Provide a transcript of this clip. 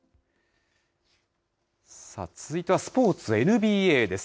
続いてはスポーツ、ＮＢＡです。